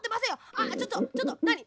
あちょっとちょっとなに？